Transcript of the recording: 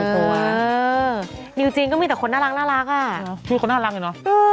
เออดิวจีนก็มีแต่คนน่ารักน่ารักจริงหรอคุณน่ารักเนี่ยเนอะ